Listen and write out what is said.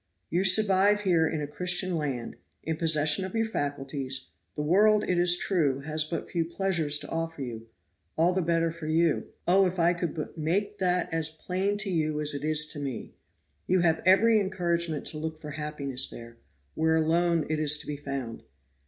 "You survive here in a Christian land, in possession of your faculties; the world, it is true, has but few pleasures to offer you all the better for you. Oh, if I could but make that as plain to you as it is to me. You have every encouragement to look for happiness there, where alone it is to be found.